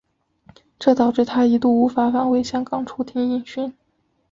这导致他一度无法返回香港出庭应讯。